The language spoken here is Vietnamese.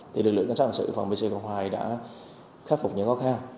thì lực lượng cảnh sát hình sự phòng bc cộng hòa đã khắc phục những khó khăn